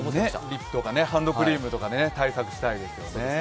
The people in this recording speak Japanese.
リップとかハンドクリームとか対策したいですよね。